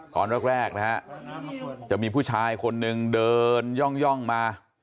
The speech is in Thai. ตอนแรกนะฮะจะมีผู้ชายคนหนึ่งเดินย่องมา